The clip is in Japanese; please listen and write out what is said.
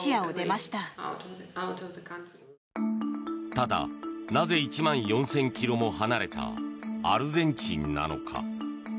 ただ、なぜ１万４０００ｋｍも離れたアルゼンチンなのか。